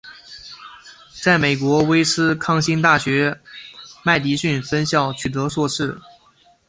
在美国威斯康辛大学麦迪逊分校取得硕士。